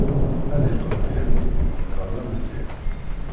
Ad yeqqen lḥenni, lbaz ameẓyan.